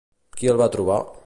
Qui el va trobar?